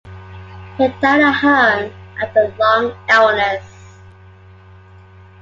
He died at home after a long illness.